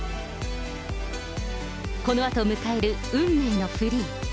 このあと迎える、運命のフリー。